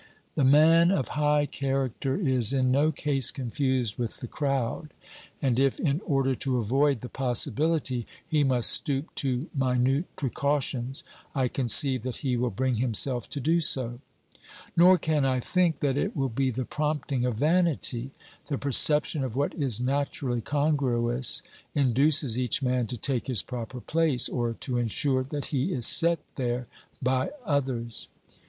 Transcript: The man of high character is in no case confused with the crowd, and if in order to avoid the possibility he must stoop to minute precautions, I conceive that he will bring himself to do so. Nor can I think that it will be the prompting of vanity ; the perception of what is naturally congruous induces each man to take his proper place, or to insure that he is set there by others.